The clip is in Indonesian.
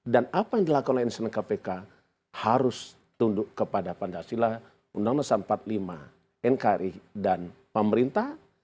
dan apa yang dilakukan oleh insiden kpk harus tunduk kepada pancasila undang dasar empat puluh lima nkri dan pemerintah